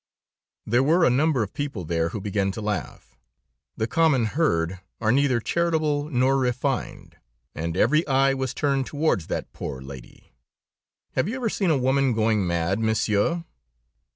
"There were a number of people there who began to laugh. The common herd are neither charitable nor refined, and every eye was turned towards that poor lady. Have you ever seen a woman going mad, Monsieur?